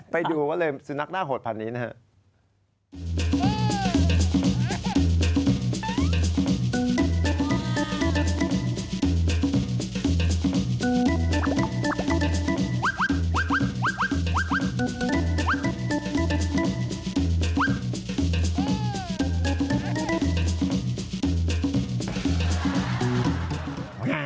ไปดูกันเลยสุนัขหน้าโหดพันธุ์นี้นะครับ